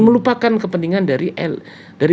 melupakan kepentingan dari